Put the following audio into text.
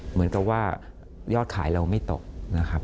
เหมือนกับว่ายอดขายเราไม่ตกนะครับ